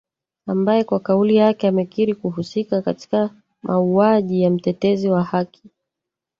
ambaye kwa kauli yake amekiri kuhusika katika mauwaji ya mtetezi wa haki